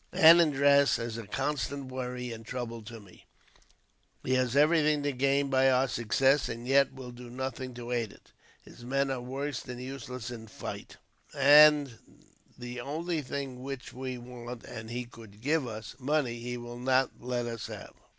"Anandraz is a constant worry and trouble to me. He has everything to gain by our success, and yet will do nothing to aid it. His men are worse than useless in fight, and the only thing which we want and he could give us money he will not let us have.